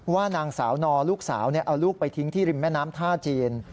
ว่านางสาวนอลูกสาวเอาลูกไปทิ้งที่ริมแม่น้ำท่าจีน